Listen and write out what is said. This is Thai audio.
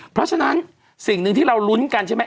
เพราะฉะนั้นสิ่งหนึ่งที่เรารุ้นกันใช่ไหม